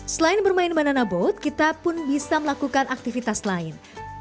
selain bermain banana boat kita pun bisa melakukan aktivitas lain